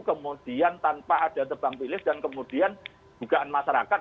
kemudian tanpa ada tebang pilih dan kemudian dugaan masyarakat